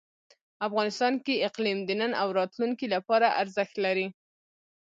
افغانستان کې اقلیم د نن او راتلونکي لپاره ارزښت لري.